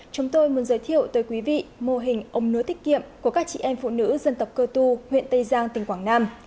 chúng tôi muốn giới thiệu tới quý vị mô hình ống nứa tiết kiệm của các chị em phụ nữ dân tộc cơ tu huyện tây giang tỉnh quảng nam